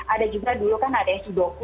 ada juga dulu kan ada sudoku